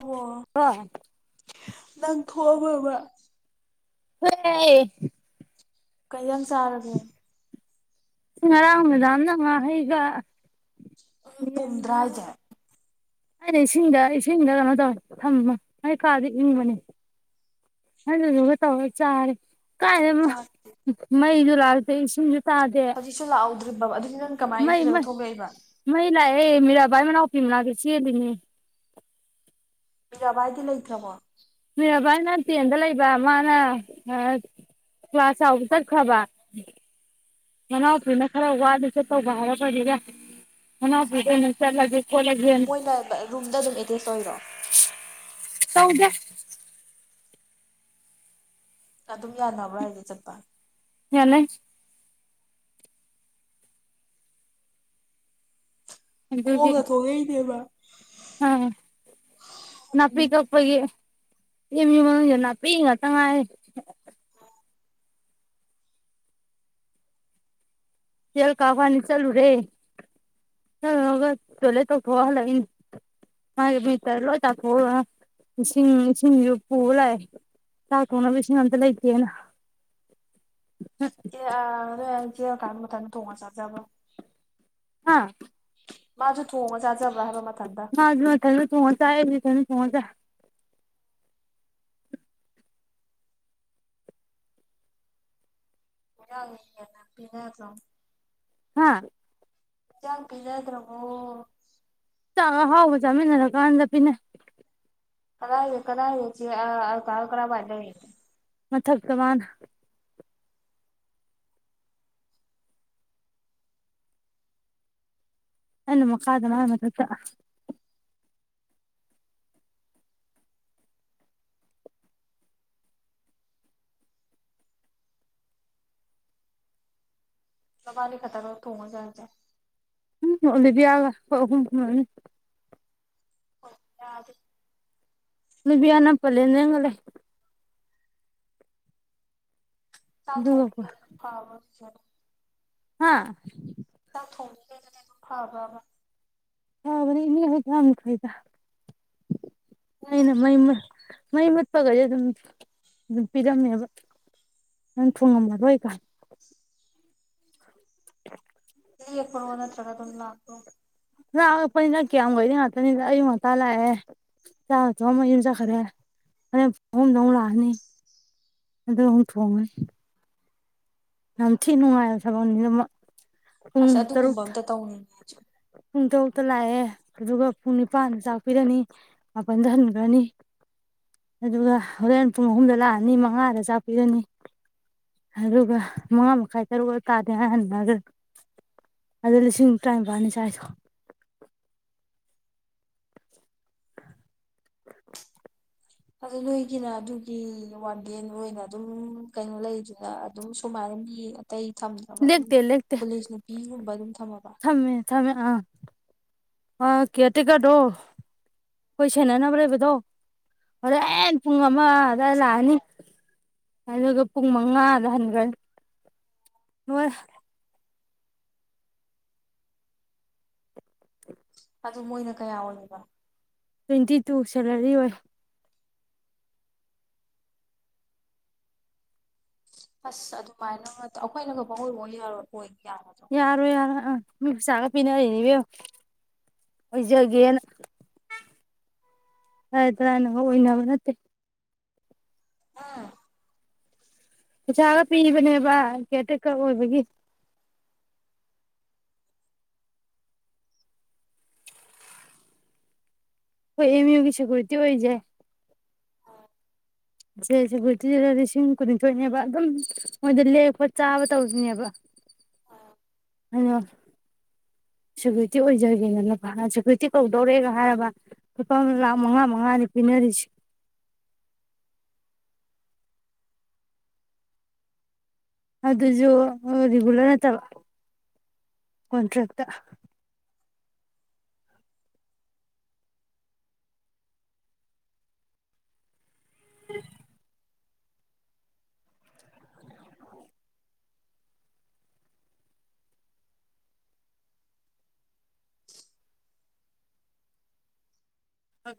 ꯑꯣ ꯅꯪ ꯊꯣꯛꯣꯑꯕꯕ ꯍꯣꯏꯌꯦ ꯀꯩꯩꯅ ꯆꯔꯥꯒꯦ ꯁꯤꯁꯤꯡ ꯉꯔꯥꯡ ꯃꯗꯥꯝꯅ ꯉꯥꯍꯩꯒ ꯎ ꯌꯦꯟ ꯄꯨꯝꯗ꯭ꯔꯥꯁꯦ ꯉꯧꯕꯒ ꯑꯩꯅ ꯏꯁꯤꯡꯗ ꯏꯁꯤꯡꯗ ꯀꯩꯅꯣ ꯇꯧꯋ ꯊꯝꯃ ꯃꯩ ꯀꯥꯗꯤ ꯏꯪꯕꯅꯤ [unintelligible] ꯀꯥꯏ ꯆꯥꯛ ꯃꯩ ꯂꯥꯛꯇꯦ ꯏꯁꯤꯡ ꯇꯗꯦ ꯍꯧꯖꯤꯛꯁꯨ ꯂꯥꯛꯍꯧꯗ꯭ꯔꯤꯕꯕ ꯑꯗꯨꯗꯤ ꯅꯪ ꯀꯃꯥꯏꯅ ꯃꯩ ꯏꯔꯨꯖꯔ ꯊꯣꯛꯂꯛꯏꯕ ꯃꯩ ꯂ ꯃꯤꯔꯥꯕꯥꯥꯏ ꯃꯅ [unintelligible] ꯃꯔꯕꯥꯏꯗꯤ ꯂꯩꯇ꯭ꯔꯕꯣ ꯃꯤꯔꯥꯕꯥꯏꯅ ꯇꯦꯟꯗ ꯂꯩꯕ ꯃꯥꯅ ꯀ꯭ꯂꯥꯁ ꯆꯥꯎꯕ ꯆꯠꯈ꯭ꯔꯕ ꯃꯅꯥꯎꯄꯤꯅ ꯈꯔ ꯋꯥꯅ ꯆꯠꯇꯧꯕ ꯍꯥꯏꯔꯛꯄꯅꯤꯗ ꯃꯅꯥꯎꯄꯤꯗ ꯑꯣꯏꯅ ꯆꯠꯂꯒꯦ ꯈꯣꯠꯂꯒꯦꯅ ꯃꯣꯏꯅ ꯔꯨꯝꯗ ꯑꯗꯨꯝ ꯑꯦꯇꯦꯁ ꯑꯣꯏꯔꯣ [unintelligible] ꯑꯗꯨꯝ ꯌꯥꯅꯕ꯭ꯔꯥ ꯍꯥꯏꯁꯦ ꯆꯠꯄ ꯌꯥꯅꯩ ꯑꯗꯨꯒꯤ ꯈꯣꯡꯅꯥ ꯊꯣꯛꯂꯛ ꯏꯅꯦꯕ ꯑ ꯅꯄꯤ ꯀꯛꯄꯒꯤ ꯑꯦꯝ ꯌꯨ ꯃꯅꯨꯡ ꯅꯥꯄꯤ ꯉꯥꯛꯇꯪ ꯉꯥꯏ [unintelligible] ꯃꯥꯏ ꯃꯤꯠꯀ ꯏꯁꯤꯡ ꯏꯁꯤꯡꯁꯨ ꯄꯨꯕ ꯂꯥꯛꯑꯦ ꯆꯥꯛ ꯊꯣꯡꯅꯕ ꯏꯁꯤꯡ ꯑꯝꯇ ꯂꯩꯇꯦꯅ [unintelligible] ꯊꯣꯡꯉ ꯆꯥꯖꯕꯔ ꯍꯥꯥ ꯃꯥꯖꯨ ꯊꯣꯡ ꯃꯥ ꯃ ꯊ ꯆ ꯊ [unintelligible] ꯍꯗ ꯑꯣꯔꯅꯣ ꯍꯥꯥ ꯆꯥꯡ ꯄꯤꯅꯗ꯭ꯔꯕꯣ ꯑ ꯑꯍꯥꯎꯕ ꯆꯥꯃꯤꯟꯅꯔꯀꯥꯟꯗ ꯄꯅꯦ ꯀꯗꯥ ꯍꯥꯏ ꯀꯗꯥ ꯍꯥꯏꯁꯤ ꯀ ꯀꯔꯕꯥꯥꯏꯂ ꯍꯥꯏ ꯃꯊ ꯇꯃꯅ ꯑꯅꯃ ꯀꯥꯗ ꯃꯥꯃꯠꯇ ꯂꯕꯥꯅꯤ ꯈꯇꯒ ꯎ ꯊꯣꯡꯉ ꯆꯗ ꯎꯝ ꯂꯩꯕꯤ ꯌꯥꯒ ꯍꯝ ꯑꯣ ꯌꯥ ꯑꯗꯨ ꯅꯨꯕꯤꯌꯥꯅ ꯄꯂꯗꯒ ꯂꯩꯦ ꯆꯥꯛ ꯑꯗꯨꯒꯀꯣ ꯊꯣꯡꯒ ꯍꯥꯎ ꯍꯥꯥ ꯊꯣꯡ ꯐꯥꯕ꯭ꯔꯕ ꯍ ꯃ ꯏꯅꯤ ꯍꯥꯏꯗ ꯐꯥꯏꯗ ꯅꯪ ꯑꯅꯃ ꯏ ꯃꯩ ꯃꯨꯠꯄꯈꯩꯗꯤ ꯑꯗꯨꯝ ꯑꯗꯨꯝ ꯄꯤꯔꯝꯃꯦꯕ ꯅꯪ ꯊꯨꯡꯉꯝꯃꯔꯣꯏ ꯀꯥꯟ ꯄꯨ ꯋꯥꯟꯅꯠꯇ꯭ꯔꯒ ꯑꯗꯨ ꯂꯥꯛ꯭ꯔꯣ ꯅ ꯑꯉꯛꯄꯅꯤꯅ ꯀꯌꯥꯝꯨꯩꯗꯤ ꯉꯥꯛꯇꯅꯤꯗ ꯑꯌꯨꯛ ꯉꯟꯇꯥ ꯂꯥꯛꯑꯦ ꯆꯥ ꯑ ꯊꯣꯡ ꯑꯃ ꯌꯨꯝ ꯆꯠꯈ꯭ꯔꯦ ꯑ ꯑꯍꯨꯝꯗ ꯑꯃꯨꯛ ꯂꯥꯛꯑꯅꯤ ꯑꯗꯨ ꯑꯃꯨꯛ ꯊꯣꯡꯉꯅꯤ ꯌꯥꯝ ꯊꯤ ꯅꯨꯡꯉꯥꯏꯕ ꯁꯗ ꯑꯁ ꯑꯗꯨꯒꯨꯝꯕ ꯑꯝꯇ ꯇꯧꯅꯤꯡꯅꯦ ꯍꯧꯖꯤꯛ ꯄꯨꯡ ꯇꯔꯨꯛꯇ ꯂꯥꯛꯑꯦ ꯑꯗꯨꯒ ꯄꯨꯡ ꯅꯤꯄꯥꯟꯗ ꯆꯥꯛꯄꯤꯔꯅꯤ ꯃꯥꯄꯜꯗ ꯍꯟꯈ꯭ꯔꯅꯤ ꯑꯗꯨꯒ ꯍꯣꯔꯦꯟ ꯄꯨꯡ ꯑꯍꯨꯝꯗ ꯂꯥꯛꯑꯅꯤ ꯃꯉꯥꯗ ꯆꯥꯛꯄꯤꯔꯅꯤ ꯑꯗꯨꯒ ꯃꯉꯥ ꯃꯈꯥꯏ ꯇꯔꯨꯛ ꯇꯥꯗꯦꯅ ꯍꯟꯅꯈ ꯑꯗꯨꯗ ꯂꯤꯁꯤꯡ ꯇꯔꯥꯅꯤꯄꯜꯅꯤ ꯆꯥꯏꯗꯣ [inaudible] ꯑꯗꯨ ꯅꯣꯏꯒꯤꯅ ꯑꯗꯨꯒꯤ ꯋꯥꯟ ꯗꯦ ꯑꯣꯏꯅ ꯑꯗꯨꯝ ꯀꯩꯅꯣ ꯂꯩꯗꯅ ꯑꯗꯨꯝ ꯁꯨꯃꯥꯏꯅ ꯑꯇꯩ ꯊꯝꯗꯕ ꯑꯗꯨꯝ ꯂꯦꯛꯇꯦ ꯂꯦꯛꯇꯦ ꯄꯨꯂꯤꯁ ꯅꯨꯄꯤꯒꯨꯝꯕ ꯑꯗꯨꯝ ꯊꯝꯃ ꯊꯝꯃꯦ ꯊꯃꯦ ꯑꯥ ꯑ ꯀꯦ ꯇꯤꯀꯔꯗꯣ ꯑꯩꯈꯣꯏ ꯁꯦꯟꯅꯅꯕ ꯂꯩꯕꯗꯣ ꯍꯣꯔꯦꯟ ꯑꯦꯦꯟ ꯄꯨꯡ ꯑꯃꯗꯏ ꯂꯥꯛꯑꯅꯤ ꯑꯗꯨꯒ ꯄꯨꯡ ꯃꯉꯥꯗ ꯍꯟꯈ꯭ꯔꯅꯤ ꯍꯣꯏ ꯑꯗꯨ ꯃꯣꯏꯅ ꯀꯌꯥ ꯑꯣꯏꯕ ꯇ꯭ꯋꯦꯟꯇꯤ ꯇꯨ ꯁꯦꯂꯔꯤ ꯑꯣꯏ ꯑꯁ ꯑꯗꯨꯃꯥꯏꯅ ꯑꯩꯈꯣꯏꯅ ꯈ ꯄꯥꯎꯣꯏꯕ ꯌꯥꯔꯑꯣ ꯑꯣꯏ ꯌꯥꯒꯗ꯭ꯔꯣ ꯌꯥꯔꯣ ꯌꯥꯔꯣ ꯑꯥ ꯃꯤ ꯄꯁꯥꯒ ꯄꯤꯅꯔꯤꯅꯦꯕ ꯑꯣꯏꯖꯒꯦꯅ ꯍꯥꯏ ꯇꯔꯅ ꯑꯣꯏꯅꯕ ꯅꯠꯇꯦ ꯑꯥ ꯄꯩꯁꯥꯒ ꯄꯤꯕꯅꯦꯕ ꯀꯦꯇꯀ ꯑꯣꯏꯕꯒꯤ ꯍꯣꯏ ꯑꯦꯃꯤ ꯌꯒꯤꯁꯒꯔꯇ ꯑꯣꯏꯏꯖꯏ ꯁꯦ ꯁꯦꯀꯇꯤꯗ ꯂꯤꯁꯤꯡ ꯀꯨꯟꯅꯤꯊꯣꯏꯅꯦꯕ ꯑꯗꯨꯝ ꯃꯣꯏꯗ ꯂꯦꯛꯄ ꯆꯥꯕ ꯇꯧꯁꯤꯅꯦꯕ ꯑꯩꯅꯣ ꯁꯦꯀ꯭ꯌꯨꯔꯤꯇꯤ ꯑꯣꯏꯖꯒꯦꯗꯅꯄꯥꯅ ꯁꯦꯀ꯭ꯌꯨꯔꯤꯇꯤ ꯀꯧꯗꯧꯔꯦꯒ ꯍꯥꯏꯔꯕ ꯂꯨꯄꯥ ꯂꯥꯛ ꯃꯉꯥ ꯃꯉꯥꯅꯤ ꯄꯤꯅꯔꯤꯁꯤ ꯑꯗꯨꯁꯨ ꯔꯤꯒꯨꯂꯔ ꯅꯠꯇꯕ ꯀꯣꯟꯇ꯭ꯔꯦꯛꯇ [inaudible]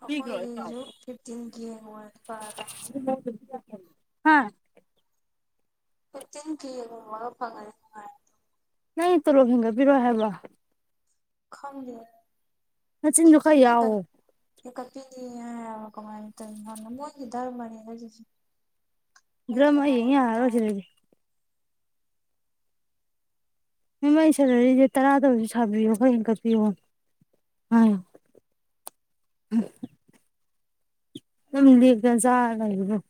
ꯑꯩꯈꯣꯏꯒꯤꯁꯨ ꯐꯤꯐꯇꯤꯟ ꯀꯦꯒ ꯑꯣꯔꯗꯤ ꯐꯔꯗꯝ ꯍꯥ ꯐꯤꯐꯇꯤꯟ ꯀꯦꯒꯨꯝꯕꯒ ꯐꯪꯉꯗꯤ ꯅꯨꯡꯉꯥꯏꯔꫭꯏ ꯅꯪ ꯇꯣꯂꯣꯞ ꯍꯦꯟꯒꯠꯕꯤꯔꯣꯏ ꯍꯥꯏꯕ꯭ꯔꫭ ꯈꯪꯗꯦ ꯅꯆꯤꯟꯗꫭ ꯈꯥ ꯌꯥꯎꯑꯣ ꯍꯥꯏꯕ ꯀꯃꯥꯏꯅ ꯇꯩꯏꯅꫭ ꯃꯣꯏꯒꯤ ꯙꯔꯃꯅꯤꯗ ꯖꯦꯁꯤ ꯗ꯭ꯔꯃ ꯌꯦꯡ ꯌꯥꯔꯔꯣꯏꯁꯤꯗꯗꯤ ꯍꯨꯃꯦꯟ ꯁꯦꯂꯔꯤꯁꯦ ꯇꯔꯥꯗ ꯑꫭꯏꯁꯨ ꯁꯥꯕꯤꯌꯣ ꯈꯔ ꯍꯦꯟꯒꯠꯄꯤꯌꯣ ꯑ ꯎꯝ ꯅꯝꯗꯤ ꯒꯟꯖꯥ ꯂꯩꯔꯤꯕꫭ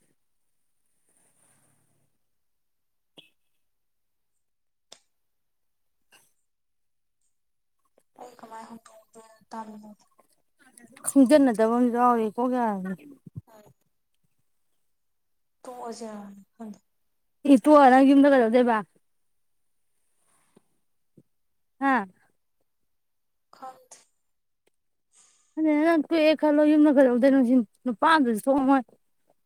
ꯑꯩ ꯀꯃꯥꯏ ꯍꯧꯇꫭꯛꯎ ꯗꫭꯏꯅꫭ ꯇꯜꯂꯤ ꯈꯪꯖꯤꯟꯅꯗꯕ ꯑꯝꯖꯨ ꯌꯥꯎꯔꯤꯌꯦ ꯀꯣꯛ ꯌꯥꯔꯅꯤ ꯃꯥꯅꯤ ꯇꫭꯛ ꯑꯖꯤꯔꯥꯅ ꯈꯪꯗꯦ ꯏ ꯇꫭꯛꯑ ꯅꯪ ꯌꯨꯝꯗ ꯀꯩꯗꯧꯗꫭꯏꯕ ꯍꯥ ꯈꯪꯗꯦ [unintelligible] ꯅꯪ ꯊꯣꯛꯣꯛꯑꯦꯅ ꯈꯜꯂꯣ ꯌꯨꯝꯗ ꯀꯩꯗꯧꯗꯣꯏꯅꫭ ꯁꯤꯅꯤ ꯅꯪ ꯅꯨꯄꯥ ꯑꯝꯇꯁꯨ ꯁꯨ ꯊꫭꯛꯉꯝꯃꯣꯏ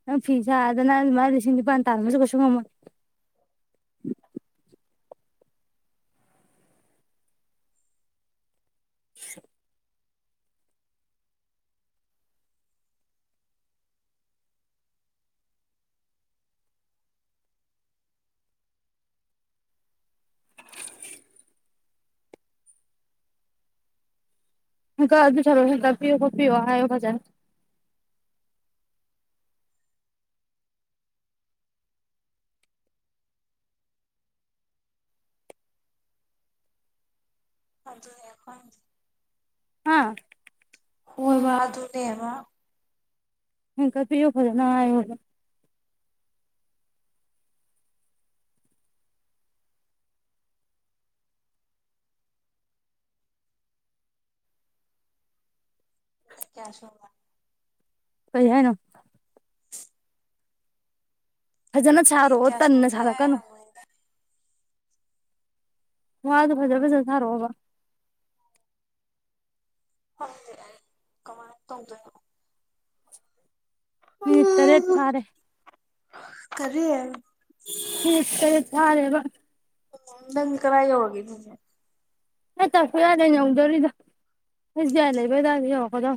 ꯅꯪ ꯐꯤ ꯁꯥꯗꯅ ꯑꯗꯨꯃꯥꯏꯅ ꯂꯤꯁꯤꯡ ꯅꯤꯄꯥꯥꯟ ꯇꯥꯟꯕꯁꯨ ꯀꯩꯁꯨ ꯉꯝꯃꯣꯏ [inaudible] ꯍꯦꯟꯀꯠ ꯑꯩ ꯄꯩꯁꯥꯗꫭ ꯍꯦꯟꯀꯠꯄꯤꯌꯣ ꯈꫭꯠꯄꯤꯌꫭ ꯍꯥꯏꯑꫭ ꯐꯖꯅ ꯑꯗꯨꯅꯦ ꯑꯩꯈꯣꯏꯅ ꯑꯥ ꯍꯣꯏꯕꯥ ꯑꯗꯨꯅꯦꯕ ꯍꯦꯟꯀꯠ ꯄꯤꯌꫭ ꯐꯖꯅ ꯍꯥꯏꯌꫭꯕ ꯀꯌꯥꯁꯨꯃ ꯀꯩ ꯍꯥꯏꯅꫭ ꯐꯖꯅ ꯃꯤꯅꯤꯠ ꯁꯥꯔꯣꯑꯣ ꯀꯌꯥ ꯇꯟꯅ ꯁꯨꯔꯒꯦ ꯁꯥꯔꯛꯀꯅꯨ ꯍꯪꯕꯅꯤꯗ ꯋꯥꯗꯨ ꯐꯖꯔ ꯐꯖ ꯁꯥꯔꯛꯑꫭꯕ ꯈꯪꯗꯦ ꯑꯩ ꯀꯃꯥꯏ ꯇꯧꯗꫭꯏꯅꫭ ꯃꯤꯅꯤꯠ ꯇꯔꯦꯠ ꯐꯥꯔꯦ ꯀꯔꯤ ꯃꯤꯅꯤꯠ ꯇꯔꯦꯠ‌ ꯐꯥꯔꯦꯕ ꯎꯝ ꯅꯪꯗꯤ ꯀꯔꯥꯏ ꯌꯧꯔꯒꯦ ꯑꯗꯨꯗꯤ ꯅ ꯊ꯭ꯔꯥꯐꯤꯛ ꯑꯥꯏꯂꯦꯟ ꯌꯧꯗꯣꯔꯤꯗꯣ ꯑꯦꯁ ꯕꯤ ꯑꯥꯏ ꯂꯩꯕꯩ ꯑꯗꯥꯏꯗꫭ ꯌꯧꯔꯛꯀꯗꯧ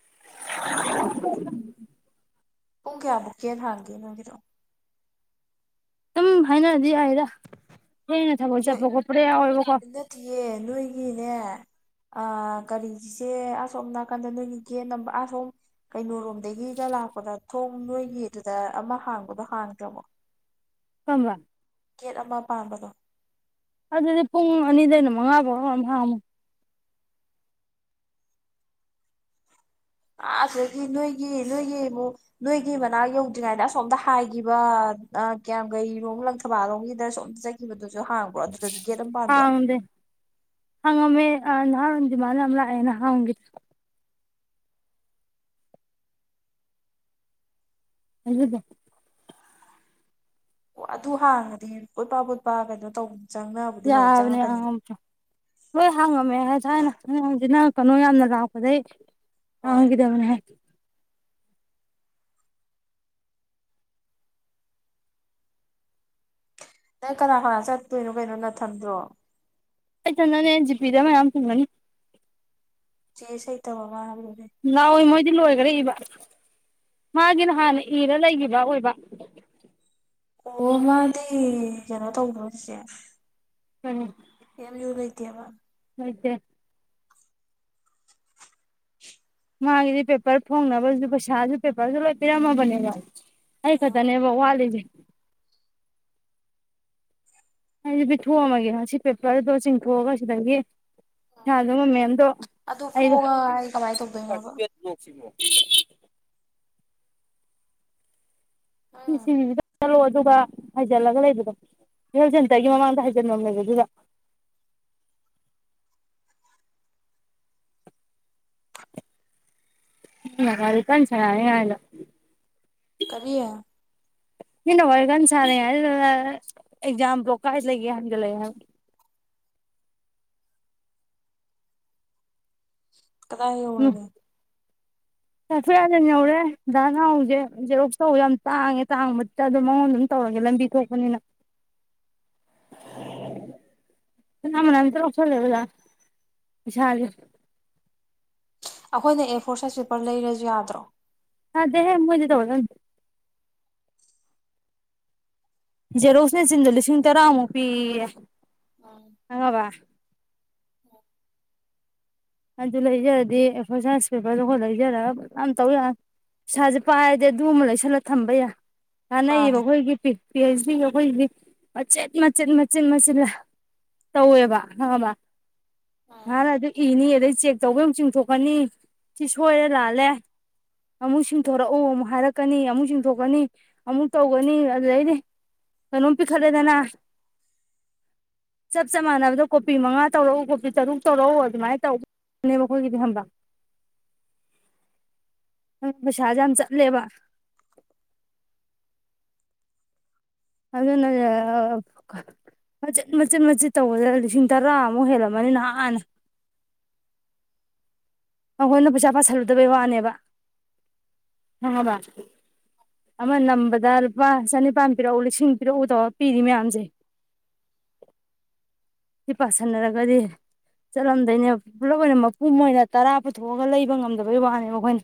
[inaudible] ꯄꯨꯡ ꯀꯌꯥ ꯕꯨꯛ ꯒꯦꯠ ꯍꯥꯡꯒꯦ ꯅꫭꯏꯒꯤꯗꫭ ꯑꯗꯨꯝ ꯍꯥꯏꯅꯔꯗꯤ ꯍꯥꯏꯗ ꯊꯦꯡꯅ ꯊꯕꯛ ꯅꯣꯏ ꯆꯠꯄ ꯈꫭꯠꯄꯒ ꯌꯥꯎꯋꯦꯕꯀꫭ ꯒꯤꯅꯦ ꯑ ꯀꯔꯤ ꯆꯤꯆꯦ ꯑꯁꯣꯝ ꯅꯥꯀꯟꯗ ꯅꯣꯏꯒꯤ ꯒꯦꯠ ꯅꯝꯕꯔ ꯑꯁꯣꯝ ꯀꯩꯅꯣ ꯔꯣꯝꯗꯒꯤꯒ ꯂꯥꯛꯄꯗ ꯊꯣꯡ ꯅꯣꯏꯒꯤꯗꯨꯗ ꯑꯃ ꯍꯥꯡꯕꯗꯣ ꯍꯥꯡꯗ꯭ꯔꯕꯣ ꯀꯝꯕ ꯒꯦꯠ ꯑꯃ ꯄꯥꯟꯕꯗꯣ ꯑꯗꯨꯗꯤ ꯄꯨꯡ ꯑꯅꯤꯗꯩꯅ ꯃꯉꯥ ꯕꯥꯎꯔ ꯀꯅꫭꯝ ꯍꯥꯡ ꯑꯥ ꯑꯗꯨꯗꯒꯤ ꯅꯣꯏꯒꯤ ꯅꯣꯏꯒꯤ ꯑꯃꯛ ꯅꯣꯏꯒꯤ ꯃꯅꯥꯛ ꯌꯧꯗ꯭ꯔꯤꯉꯩꯗ ꯑꯁꯣꯝꯗ ꯍꯥꯏꯈꯤꯕ ꯀꯌꯥꯝ ꯀꯩꯔꯣꯝ ꯂꯪꯊꯕꯥꯜꯂꯣꯝꯒꯤꯗ ꯁꯣꯝꯇ ꯆꯠꯈꯤꯕꯗꯨꯁꯨ ꯍꯥꯡꯕ꯭ꯔꯣ ꯑꯗꯨꯗꯁꯨ ꯒꯦꯠ ꯑꯃ ꯄꯥꯟꯕ꯭ꯔꯣ ꯍꯗꯦ ꯍꯉꯃꯦ ꯑ ꯅꯥꯟꯗ ꯃꯥꯅꯝꯂ ꯌꯦꯅ ꯍꯥ ꯍꯒꯗ ꯑꯗꯨꯗ ꯑꯣ ꯑꯗꯨ ꯍꯥꯡꯉꯗꯤ ꯎꯠꯄ ꯐꯠꯄ ꯀꯩꯅꯣ ꯇꯧꯕꯅꯦ ꯌꯥꯕꯅꯦ ꯑ ꯍꯣꯏ ꯍꯥꯡꯉꯝꯃꯦ ꯍꯥꯏꯗꯤ ꯍꯥꯏꯅ ꯍꯪ ꯍꯪꯁꯤ ꯅꯪ ꯀꯩꯅꯣ ꯌꯥꯝꯅ ꯂꯥꯛꯄꯗꯒꯤꯩ ꯍꯣꯏ ꯍꯗꯕꯅ ꯍꯥꯏ ꯅꯪ ꯀꯅꯥ ꯀꯅꯥ ꯆꯠꯇꯣꯏꯅꯣ ꯀꯩꯅꯣ ꯅꯊꯟꯗ꯭ꯔꯣ ꯑꯩ ꯆ ꯅꯅꯦꯖꯤ ꯄꯗꯦ ꯃꯌꯥꯝ ꯇꯃꯅꯤ ꯆꯦꯁ ꯍꯥꯏ ꯇꯕꯣ ꯕꯦ ꯗꯤ ꯂꯣꯏꯈꯔꯦ ꯏꯕ ꯃꯥꯒꯤꯅ ꯍꯥꯟꯅ ꯏꯔ ꯂꯩꯈꯤꯕ꯭ꯔ ꯑꯣꯏꯕ ꯑꯣ ꯃꯥꯗꯤ ꯀꯩꯅꯣ ꯇꯧꯕ꯭ꯔꯣ ꯁꯤꯁꯦ ꯎꯝ ꯌꯦ ꯂ ꯌꯔꯇꯌꯥꯕ ꯍꯣꯏꯗ ꯃꯥꯒꯤꯗꯤ ꯄꯦꯄꯔ ꯐꯣꯡꯅꯕꯁꯨ ꯄꯩꯁꯥꯁꯨ ꯄꯦꯄꯔꯁꯨ ꯂꯣꯏ ꯄꯤꯔꯝꯃꯕꯅꯦꯕ ꯑꯩ ꯈꯛꯇꯅꯦꯕ ꯋꯥꯠꯂꯤꯁꯦ ꯑꯩꯁꯤ ꯄꯤꯊꯣꯛꯑꯝꯃꯒꯦ ꯁꯤ ꯄꯦꯄꯔꯗꯣ ꯆꯤꯡꯊꯣꯛꯑꯒ ꯁꯤꯗꯒꯤ ꯁꯥ ꯑꯗꯨ ꯃ ꯃꯦꯝꯗꯣ ꯑꯗꯨ ꯑꯩꯗꯣ ꯐꯣꯒ ꯑꯩ ꯀꯃꯥꯏꯅ ꯇꯧꯗꯣꯏꯅꯣꯕ ꯎꯝ ꯆ ꯑꯗꯨꯒ ꯍꯥꯏꯖꯤꯜꯂꯒ ꯂꯩꯕꯗꯣ ꯍꯦꯜꯊ ꯁꯦꯟꯇꯔꯒꯤ ꯃꯃꯥꯡꯗ ꯍꯥꯏꯖꯤꯟꯕ ꯑꯃ ꯂꯩꯕ ꯑꯗꯨꯗ ꯎ ꯀꯔꯤ ꯀꯅꯤ ꯆꯦ ꯌꯥꯅ ꯀꯔꯤꯌꯦ ꯃꯤꯅ ꯋꯥꯔꯤ ꯀꯥꯟ ꯁꯥꯥꯟꯅꯩ ꯍꯥꯏ ꯑꯦꯛꯖꯥꯝ ꯭ꯂꯣꯛ ꯀꯥꯏ ꯂꯩꯒꯦ ꯍꯥꯏꯟꯒꯠꯂꯛꯑꯦ ꯍꯥꯏ ꯎ ꯀꯗꯥ ꯍꯧꯔꯒꯦ ꯇꯥꯐꯤ ꯌꯥꯗꯟ ꯌꯧꯔꯦ ꯥꯛ ꯉꯍꯁꯦ ꯔꯣꯛ ꯇꯧ ꯌꯥꯝ ꯇꯥꯡꯉꯦ ꯇꯥꯡꯕ ꯑꯗꯨꯝ ꯃꯉꯣꯟ ꯑꯗꯨꯝ ꯇꯧꯔꯒꯦ ꯂꯝꯕꯤ ꯊꯣꯛꯄꯅꯤꯅ ꯀꯅꯥꯃꯅ ꯑꯝꯇ ꯂꯧꯁꯜꯂꯦ ꯑꯣꯖꯥ ꯏꯁꯥꯥꯁꯦ ꯑꯩꯈꯣꯏꯅ ꯑꯦ ꯐꯣꯔ ꯁꯥꯏꯖ ꯄꯦꯄꯔ ꯂꯩꯔꯁꯨ ꯌꯥꯗ꯭ꯔꯣ ꯑꯗꯦ ꯍꯦ ꯃꯅꯤꯦ ꯇꯒꯦ ꯖꯦꯔꯣꯁꯅ ꯁꯤꯗ ꯂꯤꯁꯤꯡ ꯇꯔꯥꯃꯨꯛ ꯄꯤ ꯑꯉ ꯋꯥ ꯑꯣ ꯑꯗꯨ ꯂꯩꯖꯔꯗꯤ ꯑꯦꯛꯚꯔꯁꯥꯏꯁ ꯄꯦꯄꯔꯗ ꯈꯔ ꯂꯩꯖꯔꯒꯖ ꯌꯥꯝ ꯇꯧ ꯌꯥ ꯄꯩꯁꯥꯁꯦ ꯄꯥꯏꯔꯗꯤ ꯑꯗꯨꯃ ꯂꯩꯁꯜꯂꯒ ꯊꯝꯕ ꯌꯥꯏ ꯅꯥꯟꯅ ꯃꯥꯅꯦ ꯏꯕꯒ ꯍꯣꯏꯒꯇꯤ ꯄꯤ ꯑꯩꯩꯆ ꯗꯤ ꯑꯩꯈꯣꯏꯒꯤꯗꯤ ꯃꯆꯦꯠ ꯃꯆꯦꯠ ꯃꯆꯦꯠ ꯃꯆꯤꯤꯟ ꯇꯧꯋꯦꯕ ꯑꯕ ꯎꯝ ꯍꯥꯟ ꯑꯗꯨ ꯏꯅꯤ ꯑꯗꯨꯗꯩ ꯆꯦꯛ ꯇꯧꯕꯦ ꯑꯃꯨꯛ ꯆꯤꯡꯊꯣꯛꯀꯅꯤ ꯁꯤ ꯁꯣꯏꯔꯦ ꯂꯥꯜꯂꯦ ꯑꯃꯨꯛ ꯆꯤꯡꯊꯣꯔꯛꯎ ꯑꯃꯨꯛ ꯍꯥꯏꯔꯛꯀꯅꯤ ꯑꯃꯨꯛ ꯆꯤꯡꯊꯣꯛꯀꯅꯤ ꯑꯃꯨꯛ ꯇꯧꯒꯅꯤ ꯑꯗꯨꯗꯩꯗꯤ ꯀꯩꯅꯣꯝ ꯄꯤꯈꯠꯂꯦꯗꯅ ꯆꯞ ꯆ ꯃꯥꯟꯅꯕꯗ ꯀꯣꯄꯤ ꯃꯉꯥ ꯇꯧꯔꯛꯎ ꯀꯣꯄꯤ ꯇꯔꯨꯛ ꯇꯧꯔꯛꯎ ꯑꯗꯨꯃꯥꯏꯅ ꯇꯧꯕ ꯅꯦ ꯃꯈꯣꯏꯒꯤꯗꯤ ꯍꯝꯕ ꯄꯩꯁꯥꯁꯦ ꯌꯥꯝ ꯆꯠꯂꯦꯕ ꯑꯗꯨꯅ ꯃꯆꯦꯠ ꯃꯆꯦꯠ ꯃꯆꯦꯠ ꯇꯧꯕꯗ ꯂꯤꯁꯤꯡ ꯇꯔꯥꯃꯨꯛ ꯍꯦꯜꯂꯝꯃꯅꯤ ꯅꯍꯥꯟꯅ ꯑꯈꯣꯏꯅ ꯄꯩꯁꯥ ꯄꯥꯁꯤꯜꯂꯨꯗꯕꯩ ꯋꯥꯅꯦꯕ ꯈꯪꯉꯕ ꯑꯃ ꯅꯝꯕꯗ ꯂꯨꯄꯥ ꯆꯅꯤꯄꯥꯟ ꯄꯤꯔꯛꯎ ꯂꯤꯁꯤꯡ ꯄꯤꯔꯛꯎ ꯇꯧꯑꯣ ꯄꯤꯔꯤ ꯃꯌꯥꯝꯖꯦ ꯏ ꯄꯁꯤꯟꯅꯔꯒꯗꯤ ꯆꯠꯂꯝꯗꯣꯏꯅꯦꯕ ꯄꯨꯂꯞ ꯑꯣꯏꯅ ꯃꯄꯨꯝ ꯑꯣꯏꯅ ꯇꯔꯥ ꯄꯨꯊꯣꯛꯑꯒ ꯂꯩꯕ ꯉꯝꯗꯕꯩ ꯋꯥꯅꯦꯕ ꯑꯩꯈꯣꯏꯅ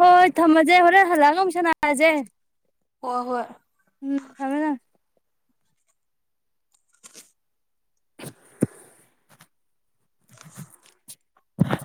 ꯍꯣꯏ ꯊꯝꯃꯖꯦ ꯍꯣꯔꯦꯟ ꯍꯜꯂꯛꯒ ꯑꯃꯨꯛ ꯁꯅꯥ ꯖꯦ ꯍꯣꯏ ꯍꯣꯏ ꯎꯝ ꯊꯃꯦ ꯊꯃꯦ ꯍ